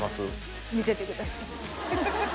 見ててくださいフフフ。